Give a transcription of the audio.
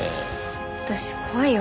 私怖いよ